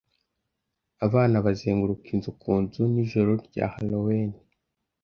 Abana bazenguruka inzu ku nzu nijoro rya Halloween.